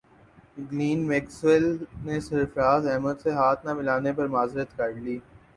Glenn Maxwell نے سرفراز احمد سے ہاتھ نہ ملانے پر معذرت کر لی